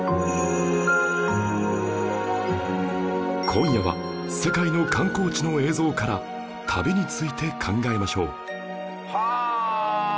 今夜は世界の観光地の映像から旅について考えましょうはあ！